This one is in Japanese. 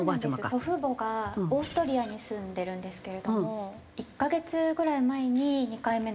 祖父母がオーストリアに住んでるんですけれども１カ月ぐらい前に２回目の接種を終えて。